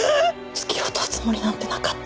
突き落とすつもりなんてなかった。